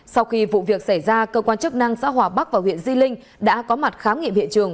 sau khi vụ việc xảy ra cơ quan chức năng xã hòa bắc và huyện di linh đã có mặt khám nghiệm hiện trường